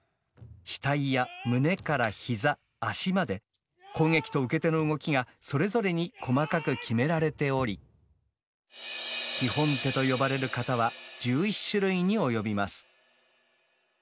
額や胸から膝足まで攻撃と受け手の動きがそれぞれに細かく決められており「基本手」と呼ばれる型は１１種類に及びます。